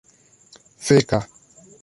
feka